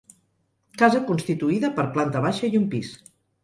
Casa constituïda per planta baixa i un pis.